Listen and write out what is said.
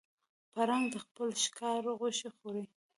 پړانګ د خپل ښکار غوښې خوري.